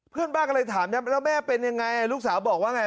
เพื่อนบ้านก็เลยถามนะแล้วแม่เป็นยังไงลูกสาวบอกว่าไง